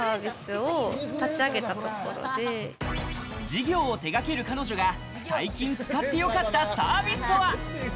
事業を立ち上げた彼女が、最近使ってよかったサービスとは？